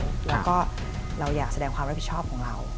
แล้วก็เราอยากแสดงความรับผิดชอบของเรา